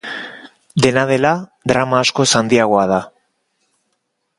Dena dela, drama askoz handiagoa da.